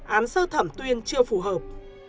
án sơ thẩm tuyên chưa phù hợp